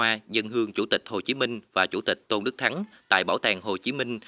hoa dân hương chủ tịch hồ chí minh và chủ tịch tôn đức thắng tại bảo tàng hồ chí minh